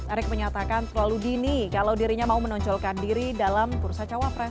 erick menyatakan terlalu dini kalau dirinya mau menonjolkan diri dalam bursa cawapres